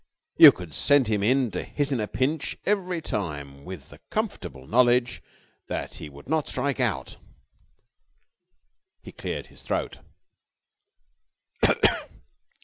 You could send him to hit in a pinch every time with the comfortable knowledge that he would not strike out. He cleared his throat.